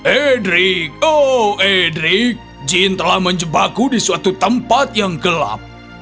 edrik oh edrik jin telah menjebakku di suatu tempat yang gelap